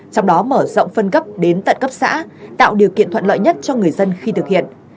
trong đó mở rộng phân cấp đến tận cấp xã tạo điều kiện thuận lợi nhất cho người dân khi thực hiện